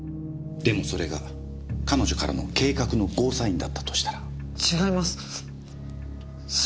でもそれが彼女からの計画のゴーサインだったとしたら？違います。